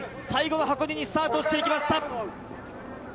最後の箱根をスタートしていきました。